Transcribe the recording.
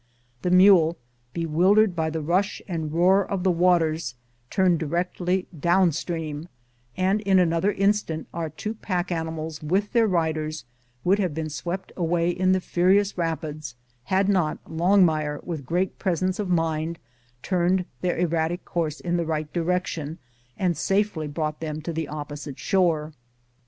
The mule, bewildered lOI MOUNT RAINIER by the rush and roar of the waters, turned directly down stream, and in another instant our two pack animals, with their riders, would have been swept away in the furious rapids, had not Longmire with great presence of mind turned their erratic course in the right direction and safely brought them to the opposite shore.